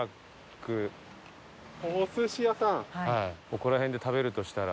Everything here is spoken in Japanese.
ここら辺で食べるとしたら。